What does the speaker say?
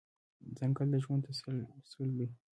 ځنګل د ژوند تسلسل دی.